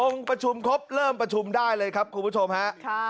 ประชุมครบเริ่มประชุมได้เลยครับคุณผู้ชมฮะ